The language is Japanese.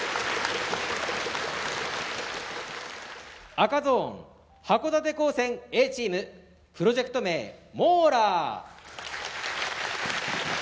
赤ゾーン函館高専Ａチームプロジェクト名「Ｍａｕｌｅｒ」。